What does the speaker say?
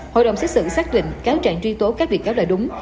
hội đồng xét xử xác định cáo trạng truy tố các bị cáo là đúng